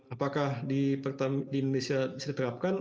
apakah di indonesia bisa diterapkan